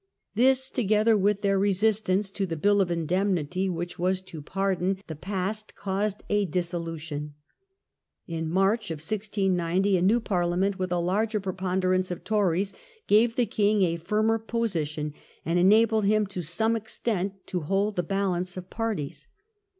This, together with their re sistance to the Bill of Indemnity, which was to pardon the CONQUEST OF IRELAND. I03 past, caused a dissolution. In March, 1690, a new Par liament, with a larger preponderance of Tories, gave the king a firmer position and enabled him, to some extent, to hold the balance of parties.